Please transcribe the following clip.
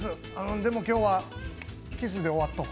でも今日は、キスで終わっとこ。